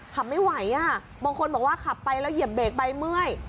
ขับไม่ไหวอ่ะบางคนบอกว่าขับไปแล้วเหยียบเบรกใบเมื่อย